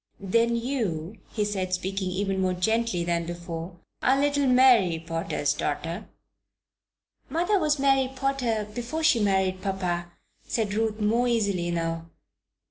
"Then you," he said, speaking even more gently than before, "are little Mary Potter's daughter?" "Mother was Mary Potter before she married papa," said Ruth, more easily now.